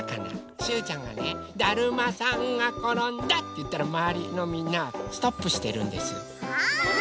しゅうちゃんがね「だるまさんがころんだ」っていったらまわりのみんなはストップしてるんです。